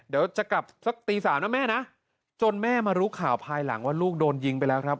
เดี๋ยวจะกลับสักตี๓นะแม่นะจนแม่มารู้ข่าวภายหลังว่าลูกโดนยิงไปแล้วครับ